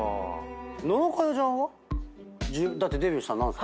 野呂佳代ちゃんは？だってデビューしたの何歳？